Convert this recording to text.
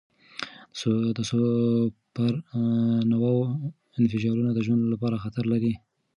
د سوپرنووا انفجارونه د ژوند لپاره خطر لري.